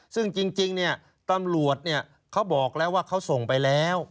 ซึ่งจริงเนี่ยตำรวจเขาบอกแล้วว่าเขาส่งไปแล้ว